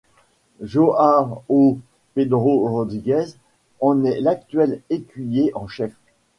João Pedro Rodrigues en est l'actuel écuyer en chef.